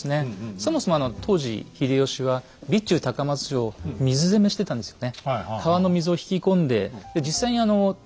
そもそも当時秀吉は備中高松城を水攻めしてたんですよね。